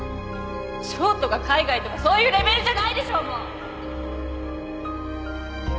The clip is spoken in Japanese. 賞とか海外とかそういうレベルじゃないでしょもう！